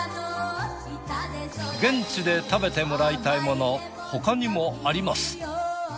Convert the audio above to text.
現地で食べてもらいたいもの他にもあります。